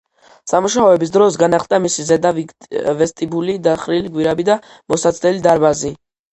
სამუშაოების დროს, განახლდა მისი ზედა ვესტიბიული, დახრილი გვირაბი და მოსაცდელი დარბაზი.